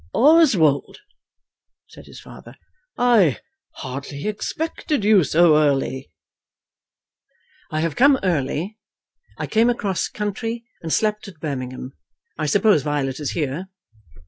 "Oswald!" said his father, "I hardly expected you so early." "I have come early. I came across country, and slept at Birmingham. I suppose Violet is here."